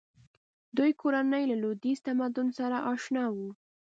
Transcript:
دوی کورنۍ له لویدیځ تمدن سره اشنا وه.